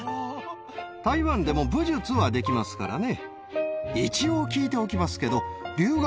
台湾でも武術はできますからね。